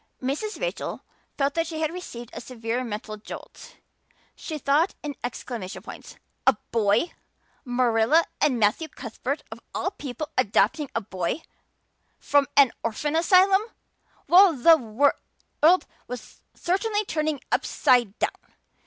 Mrs. Rachel felt that she had received a severe mental jolt. She thought in exclamation points. A boy! Marilla and Matthew Cuthbert of all people adopting a boy! From an orphan asylum! Well, the world was certainly turning upside down!